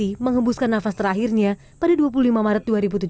dia mengembuskan nafas terakhirnya pada dua puluh lima maret dua ribu tujuh belas